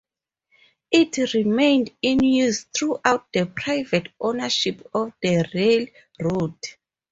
It remained in use throughout the private ownership of the railroad.